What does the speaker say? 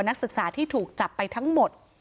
นักศึกษาที่ถูกจับไปทั้งหมด